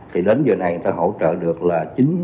thì đến giờ này người ta hỗ trợ được là chín mươi